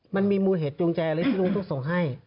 มันมีมูลเหตุจูงใจอะไรที่ลุงต้องส่งให้